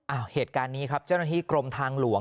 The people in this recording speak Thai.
เหตุการณ์นี้ครับเจ้าหน้าที่กรมทางหลวง